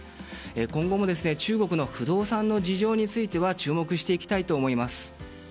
今後も中国の不動産の事情については注目していきたいと思います。